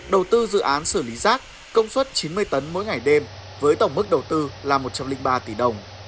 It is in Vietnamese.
đầu tư dự án xử lý rác công suất chín mươi tấn mỗi ngày đêm với tổng mức đầu tư là một trăm linh ba tỷ đồng